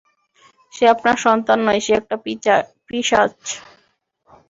সে আপনার সন্তান নয়, সে একটা পিশাচ!